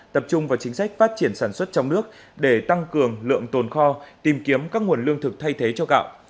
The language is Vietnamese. tập trung vào chính sách phát triển sản xuất trong nước để tăng cường lượng tồn kho tìm kiếm các nguồn lương thực thay thế cho gạo